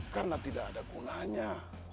karena tidak ada gunanya